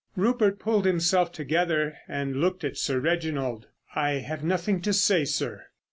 Rupert pulled himself together and looked at Sir Reginald. "I have nothing to say, sir."